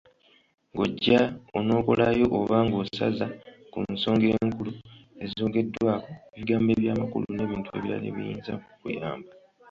Ng’ojja onokolayo oba ng’osaza ku nsonga enkulu. ezoogeddwako, ebigambo eby’amakulu, n’ebintu ebirala ebiyinza okukuyamba.